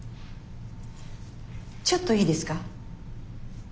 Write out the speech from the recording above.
ちょっといいですか？